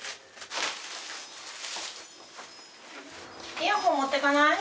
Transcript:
イヤホン持ってかない？